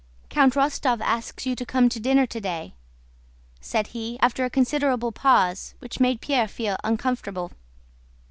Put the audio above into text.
"Count Rostóv asks you to come to dinner today," said he, after a considerable pause which made Pierre feel uncomfortable.